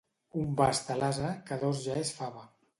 Un bast a l'ase, que dos ja és fava.